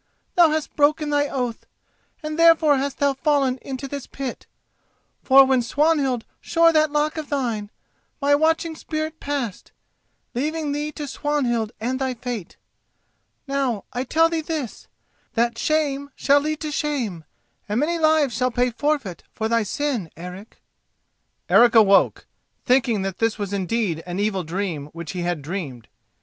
Thou hast broken thy oath, and therefore hast thou fallen into this pit; for when Swanhild shore that lock of thine, my watching Spirit passed, leaving thee to Swanhild and thy fate. Now, I tell thee this: that shame shall lead to shame, and many lives shall pay forfeit for thy sin, Eric." Eric awoke, thinking that this was indeed an evil dream which he had dreamed.